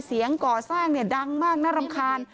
เสียงก่อสร้างดังมากน่ารำคาญ